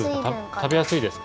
たべやすいですか？